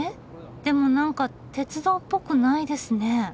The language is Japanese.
でも何か鉄道っぽくないですね。